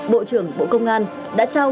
bộ trưởng bộ công an đã trao